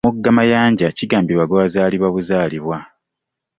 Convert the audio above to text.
Omugga Mayanja kigambibwa gwazaalibwa buzaalibwa.